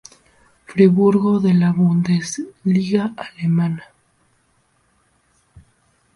Friburgo de la Bundesliga alemana.